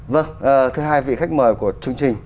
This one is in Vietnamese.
vâng thứ hai vị khách mời của chương trình